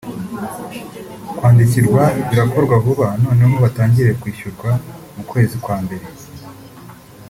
Kwandikirwa birakorwa vuba noneho batangire kwishyurwa mu kwezi kwa mbere